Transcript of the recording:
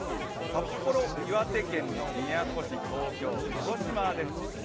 札幌、岩手県宮古市、東京、鹿児島です。